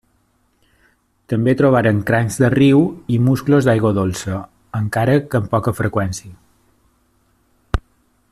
També trobaren crancs de riu i musclos d'aigua dolça, encara que amb poca freqüència.